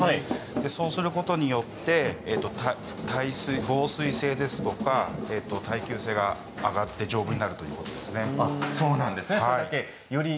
そうすることによって耐水性、防水性ですとか耐久性が上がって丈夫になります。